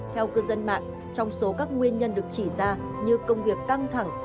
theo cư dân mạng trong số các nguyên nhân được chỉ ra như công việc căng thẳng